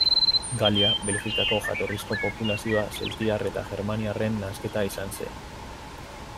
Galia Belgikako jatorrizko populazioa zeltiar eta germaniarren nahasketa izan zen.